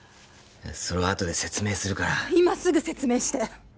それはあとで説明するから今すぐ説明して！